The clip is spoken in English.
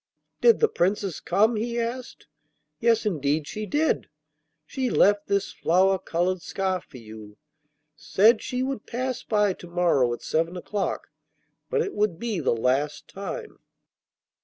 'Did the Princess come?' he asked. 'Yes, indeed, she did. She left this flower coloured scarf for you; said she would pass by to morrow at seven o'clock, but it would be the last time.